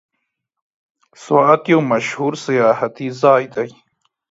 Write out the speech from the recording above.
سوات یو مشهور سیاحتي ځای دی.